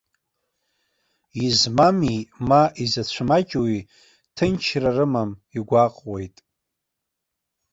Иизмами, ма изыцәмаҷуи ҭынчра рымам, игәаҟуеит.